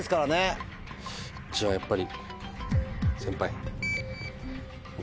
じゃあやっぱり。